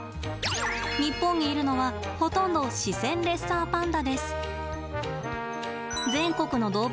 日本にいるのはほとんどシセンレッサーパンダです。